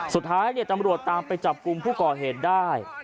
สุดท้ายตำรวจตามไปจับกลุ่มผู้ก่อเหตุได้